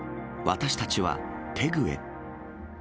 私たちはテグへ。